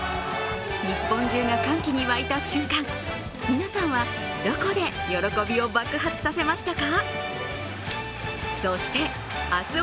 日本中が歓喜に沸いた瞬間、皆さんは、どこで喜びを爆発させましたか？